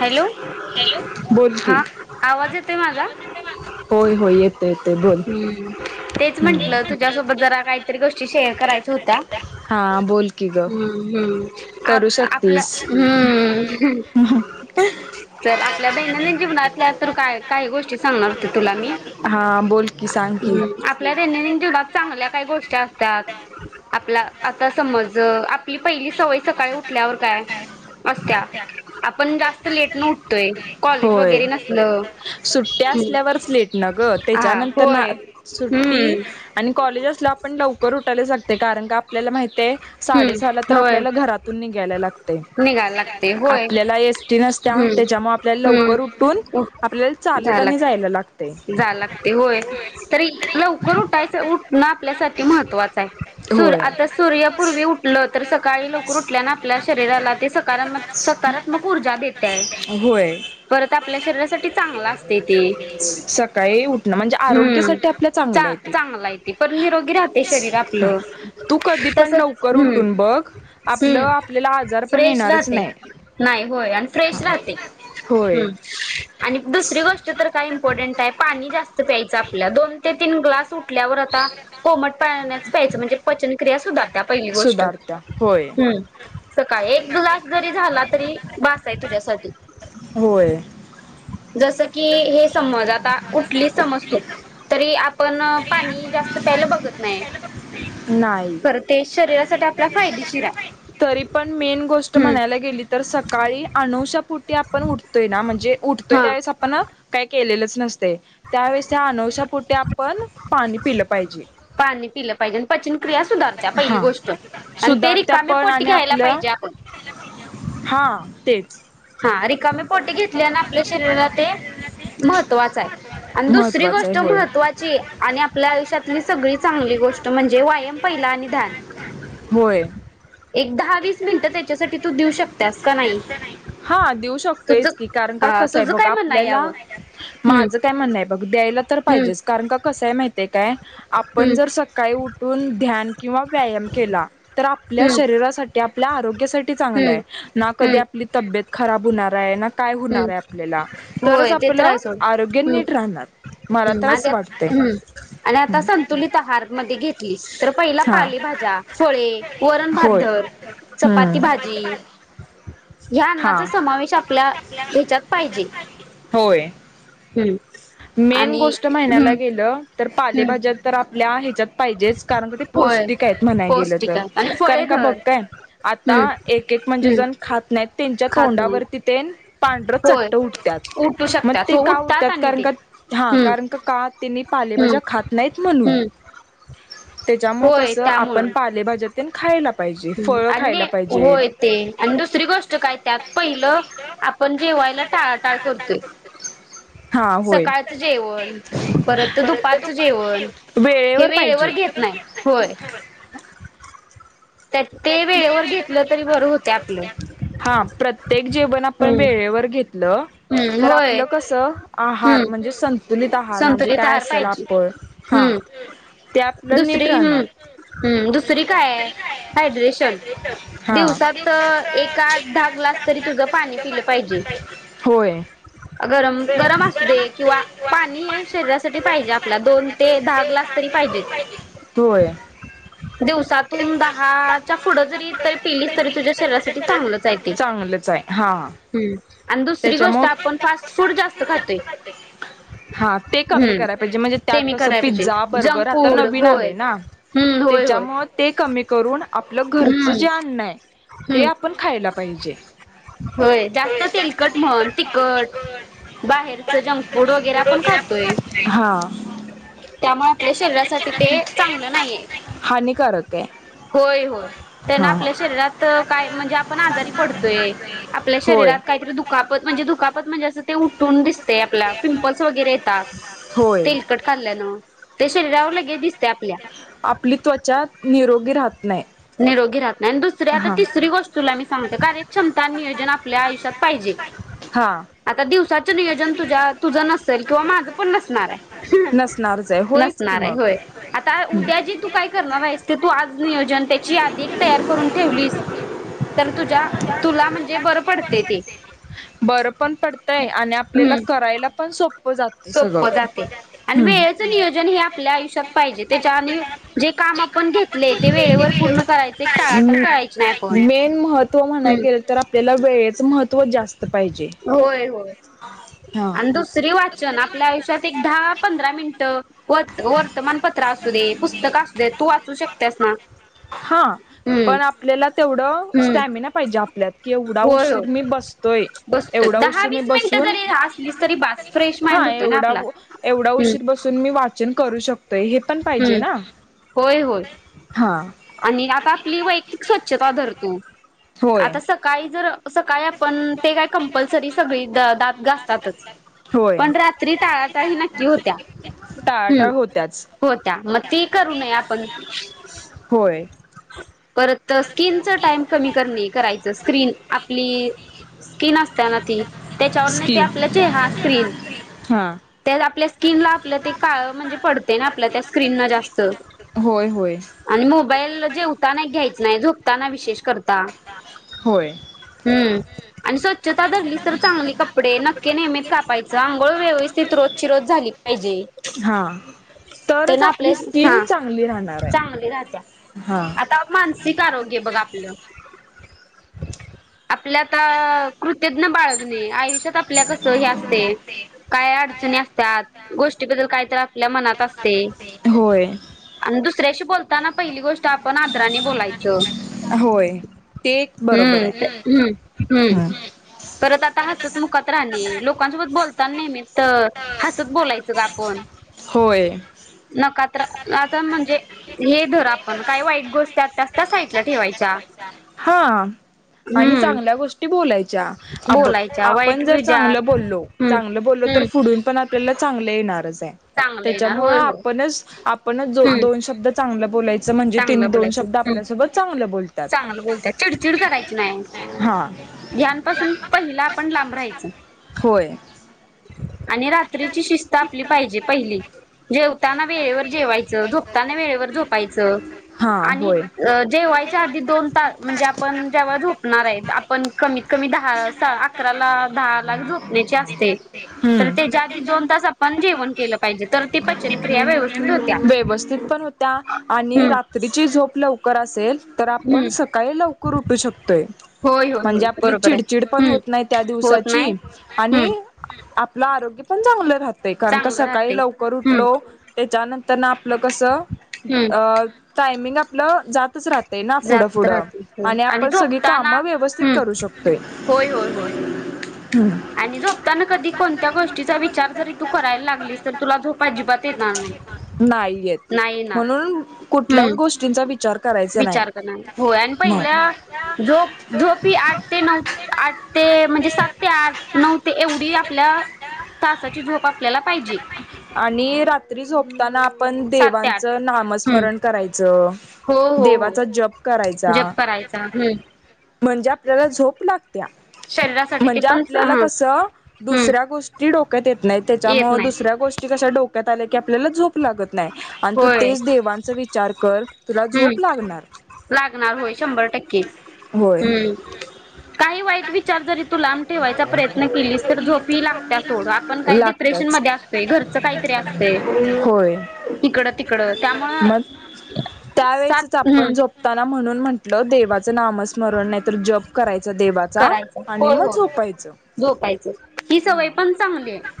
Hello बोल की हा आवाज येतोय माझा होय होय येते येते बोल हम्म तेच हम्म म्हंटलं, तुझ्यासोबत जरा काहीतरी गोष्टी शेअर करायच्या होत्या. हा बोल की ग हम्म हम्म आप आपल्या. हमम ह अअ. चल आपल्या दैनंदिन जीवनातल्या, तर काय काही गोष्टी सांगणार होते तुला मी. हा बोल कि सांग कि. काय गोष्टी असतात, आपला आता समज आपली पहिली सवय सकाळी उठल्यावर काय असत्या. आपण जास्त लेटनं उठतोय. कॉलेज होय वगैरे नसलं सुट्टी हम्म असल्यावरच लेट न गं. हा तेच्यानंतर ना होय सुट्टी हम्म आणि कॉलेज असल्याव आपण लवकर उठायलाच लागतंय. कारण का आपल्याला माहित आहे साडे सहाला हम्म तर होय आपल्याला घरातून निघायला लागतंय, निघायला लागते होय आपल्याला एसटी नसत्या त्याच्यामुळे आप हम उ झाला आणि जायला लागतंय जाय लागतय होय. तरी लवकर उठायचं उठणं आपल्यासाठी महत्वाचं आहे. सूर होय. आता सूर्य पूर्वी उठलं तर सकाळी लवकर उठल्यान, आपल्या शरीराला ते सकारामक सकारात्मक ऊर्जा देतंय. होय. परत आपल्या शरीरासाठी चांगलं असतंय ते. सकाळी उठणं म्हणजे हम्म आरोग्यासाठी आपल्या आहे ते. चांगलं आहे ते. पर निरोगी राहतंय शरीर हा आपलं. तू कधी पण तसच लवकर हम्म उठून बघ. आपलं हम्म आपल्याला आजार पण फ्रेश येणारच राहतंय, नाही नाय, होय आणि फ्रेश राहतंय. होय हं आणि दुसरी गोष्ट तर काय इम्पॉर्टंट आहे. पाणी जास्त प्यायचं आपल्या दोन ते तीन ग्लास उठल्यावर, आता कोमट पाण्याच प्यायचं. म्हणजे पचनक्रिया सुधारते आप गोष्ट. सुधारत्या होय हम्म सकाळी एक ग्लास जरी झाला, तरी बास हाय तुझ्यासाठी. होय. जसं की हे समज, आता उठली समज तू. तरी आपण पाणी जास्त प्यायला बघत नाही, नाही. खर तरी पण मेन गोष्ट म्हणायला हम्म गेली तर, सकाळी अनुशापुटी आपण उठतोय ना, म्हणजे उठतोय हा त्यावेळेस आ पण काय केलेलंच नस तंय. त्यावेळेस त्या अनवश्यापोटी आपण पाणी पिलं पाहिजे. पाणी पिलं पाहिजे आणि पचन क्रिया सुधारत्या पहिली हा गोष्ट. आणि ते सुधारत्या रिकाम्या पण पोटी आणि घ्यायला आपलं पाहिजे आपण. च हा रिकामीे पोटी घेतली आणि आपल्या शरीराला ते महत्त्वाचं आहे. आणि दुसरी महत्त्वाचं आहे गोष्ट होय महत्त्वाची आणि आपल्या आयुष्यातली सगळी चांगली गोष्ट म्हणजे व्यायम पहिला आणि ध्यान. होय एक दहा वीस मिनिटं त्याच्यासाठी तू देऊ शकत्यास का नाही? हा देऊ तुझं शकतोयच की, कारण का हा कसं आहे तुझं बघ काय म्हणणं आहे आपल्याला यावर? हम्म माझं काय म्हणणं आहे बघ द्याय तर हम्म पाहिजेच. कारण का, कसंय माहितेय काय आपण हम्म जर सकाळी उठून ध्यान किंवा व्यायाम केला, तर आपल्या हम्म शरीरासाठी ते आपल्या आरोग्यासाठी हम्म चांगलंय. ना कधी आपली तब्येत खराब हुणार रायना. हं होय, ते तर हाय सोड आरोग्य हं नीट राहणार मला तर असं वाटतंय हं आणि आता संतुलित आहार मध्ये घेतलीस तर पहिला हा पालेभाज्या, फळे वरणभात होय धर. चपाती हम्म भाजी ह्या हा अन्नाचा समावेश आपल्या ह्याच्यात पाहिजे. होय हम्म मेन आणि गोष्ट महिन्याला हम्म गेलं तर हम्म पालेभाज्या तर आपल्या आहेत पाहिजेच कारण का ते होय पौष्टिक आहेत म्हणाय गेलं तर पौष्टिक आहे आणि फळे कारण का बघ धर काय हम्म आता एक एक म्हणजे हम्म जण खात नाहीत त्यांच्या खात नाही तोंडावरती तेन पांढरं होय चट्ट उठतात उठू मग शकतात ते हो का उठतात आणि कारण ते का हा हम्म कारण का का त्यांनी हम्म पालेभाज्या खात नाहीत म्हणून हम्म त्याच्यामुळे होय कसं त्यामुळ आपण पालेभाज्या तेन खायला पाहिजे फळं आणि खायला होय पाहिजेत ते आणि दुसरी गोष्ट काय त्यात पहिलं आपण जेवायला टाळा टाळ करतोय हा होय सकाळचं जेवण परत दुपारचं जेवण वेळेवर घेत नाही होय त्यात ते वेळेवर घेतलं तरी बरं होतय आपलं हा प्रत्येक जेवण आपण हम् वेळेवर घेतलं तर आपलं कस आहार म्हणजे संतुलित आहार म्हणजे संतुलित काय आहार असल पाहिजे आपण हा हम्म ते आपलं नीट दुसरी राहणार हम्म हम्म दुसरी काय आहे हा दिवसात एक आठ दहा ग्लास तरी तुझ पाणी पिलं पाहिजे होय गरम गरम असुदे किंवा पाणी हे शरीरासाठी पाहिजे आपल्या दोन ते दहा ग्लास तरी पाहिजेत होय दिवसातून दहा च्या पुढं जरी तर पेलीस तरी तुझ्या शरीरासाठी चांगलच आहे ते् अु [unintelligible] त्याच्यामुले हा ते कमी हम्म कराय पाहिजे म्हणजे ते त्यात मी कसं कराय पाहिजे पिझ्झा जंक बर्गर आता फूड नवीन होय आले ना हम्म होय होय त्याच्यामु ते कमी करून आपलं घरच हम्म जे अन्न आहे ते हम्म आपण खायला पाहिजे होय जास्त तेलकट म्हण तिखट बाहेरच जंक फूड वगैरे आपण खातोय त्यामुळे आपल्या शरीरासाठी ते चांगलं नाहीये हानिकारक आहे होय होय त्यांना हा. आपल्या शरीरात काय म्हणजे आपण आजारी पडतोय आपल्या होय. शरीरात का द [unintelligible] दुकापत म्हणज दुकापत म्हणजे अस ते उठून दिस प होय व शरीरावर लगेच दिसते आपल्या मगे राहत नाही निरोगी राहत नाही दुसरी आता हा तिसरी गोष्टुला म सांगत कार्यक्षमता नियोजन आपल्या आयुष्यात पाहिजे हा आता दिवसाात कण नसणारच आहे होयच की मग. हम्म. आ का ते तू आज नियोजन ते ध तयार करून ठेवली तर तुझ्या तुला म्हणजे बर पडते ते बरं पण पडतय आणि आपल्याला करायला पण सोप सोप जातय आणि वेळेच नियोजन हे आपल्या आयुष्यात पाहिजे त्याच्या आणि जे काम आपण घेतले ते वेळेवर पूर्ण करायचं टाळा टाळ करायच नाही आपण, मेन महत्त्व म्हणाय हम्. गेलं पायजे. हो. हा. आपल्या आयुष्यात एक दहा पंधरा मिनिट ह. वर वर्तमानपत्र असू दे पुस्तक असू दे तू वाचू शकत्यास ना. हा, हम्म पण आपल्याला तेवढं हम्म स्टॅमिना पाहिजे आपल्यात की एवढा होय हो उशीर मी बसतोय बसतो एवढा दहा उशीर मी वीस मिनिटं बसून जरी असलीस तरी बास फ्रेश माइंड हा होतोय ना एवढा, आपला एवढा हम्म उशीर बसून मी वाचन करू शक तोय हे पण पाहिजे हम्म ना, होय होय हा. आणि आता आपली वैयक्तिक स्वच्छता धर तु, होय. आता सकाळी जा त्र. सकाळी आपण ते काय कंपल्सरी सगळी द दात गासतातच, होय पण रात्री टाळाटाळ हि नक्की होत्या. हम. टाळाटाळ होत्याच होत्या म ती करू नये आपण. होय. परत स्किनच टाइम कमी करणे करायचं स्क्रीन आपली [unintelligible] स्किन असत्या ना ती त्याच्यावर ते स्किन आपल्या चेह स्क्रीन हा. त्यात आपल्या स्किनला आपलं काळ म्हणजे पड आपल्या त्या स्क्रीना जास्त, होय होय आणि मोबाईल जेवताना एक घ्यायचाय झोपताना विशेष करता, होय हम्म. आणि स्वच्छता धरली तर चांगली कपडे नक्की नेहमी कापायचं अंघोळ व्यवस्थित रोजचीरोज झाली पाहिजे. हा तेन तरच आपल्या, आपली स्किन हा चांगली राहणार आहे चांगली राहत्या हा. आता मानसिक आरोग्य बघ आपलं. आपल्यात अ कृतज्ञ बाळगणे आयुष्यात आपल्या कसं हे असतय काय अडचणी त्यात गोष्टीबद्दल काय तर आपल्या मनात असते. होय. आणि दुसऱ्याशी बोलताना पहिली गोष्ट आपण आदराने बोलायचं. होय, ते एक बरोबर हम्म आहे. हम्म हम्म हा. परत आता हसत मुकात राहणे लोकांसोबत बोलता नेहमी त हसत बोलायचं ग आपण. होय नकात आता म्हणजे हे धर आपण काही वाईट गोष्टी अस साईट ला ठेवायचा हा आणि चांगल्या गोष्टी बोलायच्या अ बघ बोलायच्या वाईट आपण जर विचार चांगलं बोललो हम्म चांगलं बोललो तर हम्म फुडून पण आपल्याला चांगलं येणारच चांगलं येणार त्याच्यामुळे होय होय आपण आपण हम्म दोन शब्द चांगलं बोलायचं म्हणजे तेनी चांगलं दोन शब्द आपल्यासोबत चांगले बोलतात बोलत्यात चिडचिड करायची हा नाही पासन पहिला आपण लांब राहायचं होय आणि रात्रीची शिस्त आपली पाहिजे पहिली जेव ताना वेळेवर जेवायचं झोपताना वेळेवर झोपायचं हा आणि होय जेवायच्या आधी दोन तास म्हणजे आपण जेव्हा झोपणार आहे आपण कमीत कमी दहा अकरा ला दहा ला झोपण्याचे असते तर त्याच्या आधी दोन तास आपण जेवण केलं पाहिजे तर ते पचन व्यवस्थित पण होत्या आणि हम्म रात्रीची झोप कुकर असेल तर हम्म आपण सकाळी लवकर उठू शकतोय होय होय म्हणजे होय आपली बरोबर चिडचिड आहे पण हम्म होत नाही त्या होत दिवसाची नाही. हम्म आणि आपलं आरोग्य पण चांगलं राहात कारण का चांगलं राहते सकाळी लवकर हम्म लो ते च्या नं तर न आपलं कसं हम्म टायमिंग आप आपलं जातच राहत ना फुढं जात पुुढं राहते हो आणि आपण सगळी झोपताना कामं व्यवस्थित हम्म करू शकतोय होय होय होय आणि झोपताना कधी कोणत्या गोष्टीचा विचार जरी तू कराय लागलीस तर तुला झो अजिबात येणार नाही नाही येत नाही म्हणून येणार कुठल्याच गोष्टींचा विचार करायचा नाही विचार करणार होय पहि मग झोप आठ ते नऊ आठ ते म्हणजे सात ते आठ नऊ ते एवढी आपल्या तासाची झोप आपल्याला पाहिजे आणि रात्री झोप ताना आपण सात ते आठ देवांचं हम्म नामस्मरण करायचं हो हो हो देवाचा जप करायचा जप करायचा हम्म म्हणजे आपल्याला झोप. लागत्या शरीरासाठी ते म्हणजे पण हा आपल्याला कस हम्म दुसऱ्या गोष्टी डोक्यात येत नाही. येत त्याच्यामुळे नाही दुसऱ्या गो कस डोक्यात आले. होय देवांचा विचार कर तुला हम्म झोप लागणार लागणार होय शंभर टक्के होय हम्म काही वाईट विचार जरी तू लांब ठेवायचा प्रयत्न केलीस तर झोपी लागत सोड आपण काही डिप्रेशन लागत्याच. मध्ये असतोय. घरचं काहीतरी असते. होय म त्यावेळीच सात हम्म आपण झोपताना म्हणून म्हटलं देवा. नामस्मरण नाही तर जप करायच देवाचा करायचं आणि होय मग होय झोपायचं झोपायचं ही ह सवय पण चांगली आहे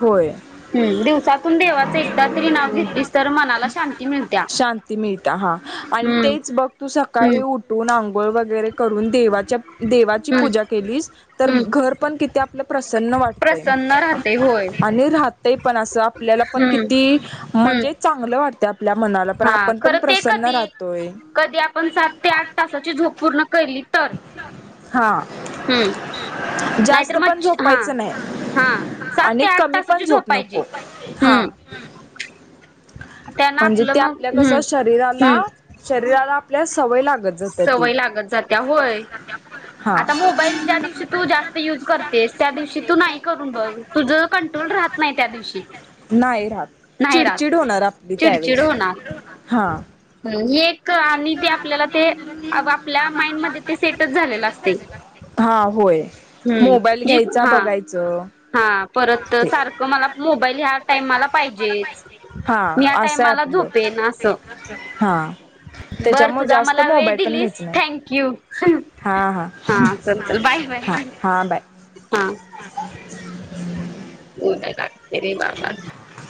होय. हम्म दिवसातून देवाचं एकदा तर नाव घेतलीस तर मनाला शांती मिळत्या शांती मिळता हा आणि हम्म तेच बघ तू हम्. सकाळी उठून आंघोळ वगैरे करून देवा देवाची पूजा केलीस तर हम्म घर पण किती आपल प्रसन्न वाटत प्रसन्न राहते होय आणि पण असं आपल्याला पण हम्म किती हम्म म्हणजे चांगलं वात. हा खरं ते कधी राहतोय कधी आपण सात ते आठ तासाची झोप पूर्ण केली तर हा हम्. जास्त पण झोपायच नाही हा सात ते आणि आठ कमी पण तासाची झो झोप पाहिजे. नको हा हम्म. त्यांना म्हणजे आपलं ते मग आपल्या कस हम्म शरीराला हम्म शरीराला आपल्या सवय लागत जात्या ती सवय लागत जात्या होय. हा. य करतेस त्या दिवशी तू नाही करून बघ तुझ कंट्रोल राहत नाही. त्या दिवशी नाही राह नाही चिडचिड राहत होणार आपली चिडचिड त्यावेेळेस होणार. हा. ही आणि ते आपल्याला ते आपल्या माइंड म ते सेटच झालेलं असते. हा होय ह मोबाईल ज घ्यायचा हा बघायचं हा परत ते सारखं मला मोबाईल ह्या टाइमाला पाहिजेच हा ह असं आहे टामाला आपलं झोपेन असं. हा बरं त्याच्यामुळे तुझा जास्त म्हाला वेळ मोबाईल पण घ्यायच दिलीस नाही थँंक यू हा चल चल बाय बाय. हा बाय हा म नाही ला तेरीवाला [inaudible]